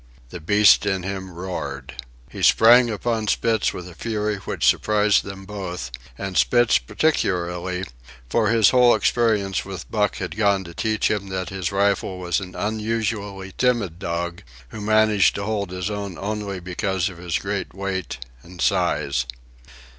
The beast in him roared. He sprang upon Spitz with a fury which surprised them both, and Spitz particularly, for his whole experience with Buck had gone to teach him that his rival was an unusually timid dog, who managed to hold his own only because of his great weight and size.